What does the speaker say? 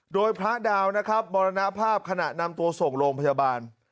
โดยพระดาวนะครับมรณภาพขณะนำตัวส่งโรงพยาบาล